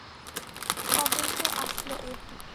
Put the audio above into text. কবেই তো আসলো এপ্রিল!